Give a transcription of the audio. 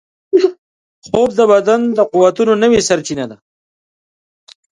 خوب د بدن د قوتونو نوې سرچینه ده